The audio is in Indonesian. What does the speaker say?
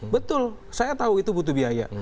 betul saya tahu itu butuh biaya